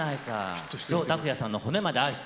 城卓矢さんの「骨まで愛して」。